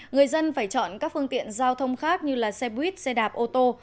người dân phải chọn các phương tiện giao thông khác như xe buýt xe đạp ô tô